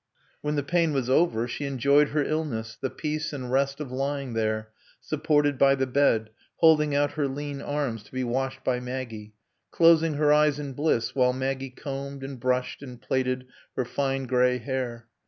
When the pain was over she enjoyed her illness, the peace and rest of lying there, supported by the bed, holding out her lean arms to be washed by Maggie; closing her eyes in bliss while Maggie combed and brushed and plaited her fine gray hair.